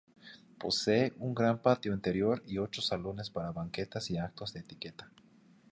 Posee un gran patio interior y ocho salones para banquetes y actos de etiqueta.